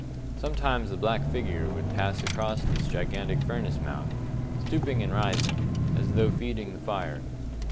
Sometimes a black figure would pass across this gigantic furnace mouth, stooping and rising, as though feeding the fire.